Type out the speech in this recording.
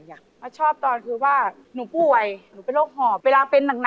เธอยังมาพูดเลยว่าเธอไม่มีใจให้เขาอ่ะ